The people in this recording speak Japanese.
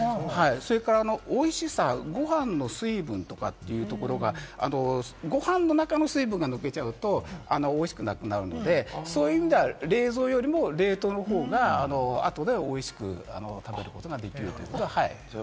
それから、美味しさ、ご飯の水分とかというところが、ご飯の中の水分が抜けちゃうと美味しくなくなるので、そういう意味では冷蔵よりも冷凍の方が後で美味しく食べることができます。